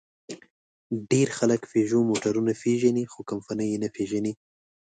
ډېر خلک پيژو موټرونه پېژني؛ خو کمپنۍ یې نه پېژني.